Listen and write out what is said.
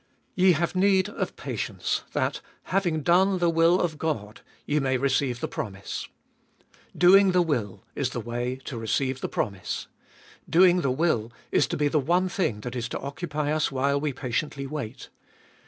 Ye have need of patience, that, having done the will of God, ye may receive the promise. Doing the will is the way to receive the promise. Doing the will is to be the one thing that is to occupy us while we patiently wait.